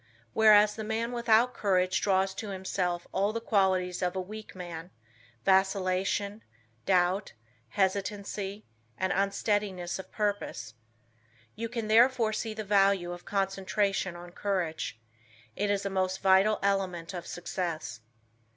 Whereas, the man without courage draws to himself all the qualities of a weak man, vacillation, doubt, hesitancy, and unsteadiness of purpose. You can therefore see the value of concentration on courage. It is a most vital element of success.